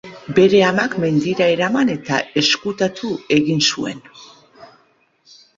Bere amak, mendira eraman eta ezkutatu egin zuen.